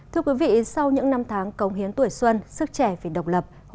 thưa quý vị sau những năm tháng cống hiến tuổi xuân sức trẻ phải độc lập